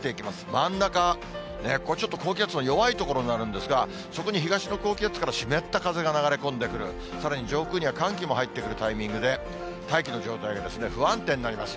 真ん中、これちょっと高気圧の弱い所になるんですが、そこに東の高気圧から湿った風が流れ込んでくる、さらに上空には寒気も入ってくるタイミングで、大気の状態が不安定になります。